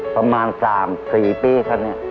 ประมาณ๓๔ปีค่ะเนี่ย